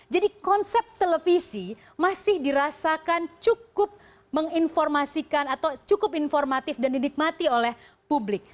konsep televisi masih dirasakan cukup menginformasikan atau cukup informatif dan dinikmati oleh publik